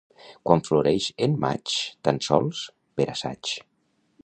Quan floreix en maig, tan sols per assaig.